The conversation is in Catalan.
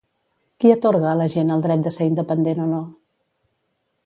Qui atorga a la gent el dret de ser independent o no?